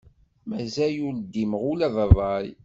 Mazal ur ddimeɣ ula d rray.